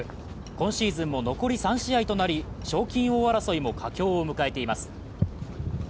今シーズンも残り３試合となり賞金王争いも佳境を迎えています。